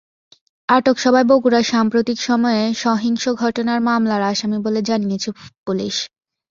আটক সবাই বগুড়ায় সাম্প্রতিক সময়ে সহিংস ঘটনার মামলার আসামি বলে জানিয়েছে পুলিশ।